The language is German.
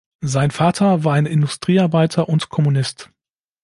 Sein Vater war ein Industriearbeiter und Kommunist.